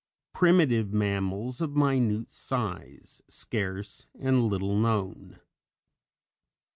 PRIMITIVE MAMMALS of minute size (scarce and little known).